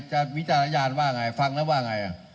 วิจารณญาณว่าไงฟังแล้วว่าไง